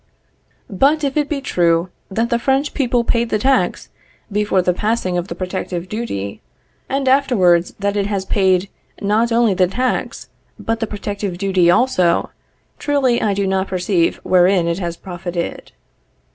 But if it be true that the French people paid the tax before the passing of the protective duty, and afterwards that it has paid not only the tax, but the protective duty also, truly I do not perceive wherein it has profited.